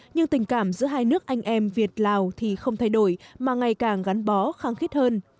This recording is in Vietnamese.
nhưng tình cảm giữa hai nước anh em việt lào thì không thay đổi mà ngày càng gắn bó khăng khít hơn